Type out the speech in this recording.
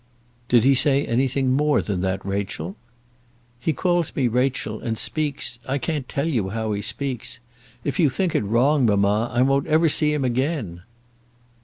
"Did he say anything more than that, Rachel?" "He calls me Rachel, and speaks I can't tell you how he speaks. If you think it wrong, mamma, I won't ever see him again."